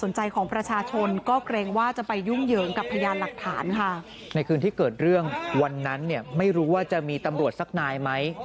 ในคืนที่เกิดเรื่องวันนั้นไม่รู้ว่าจะมีตำรวจสักนายไหม